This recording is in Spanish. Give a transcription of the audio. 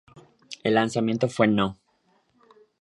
El lanzamiento fue no.